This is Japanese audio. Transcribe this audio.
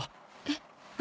えっ？